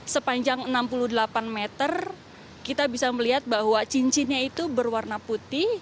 sepanjang enam puluh delapan meter kita bisa melihat bahwa cincinnya itu berwarna putih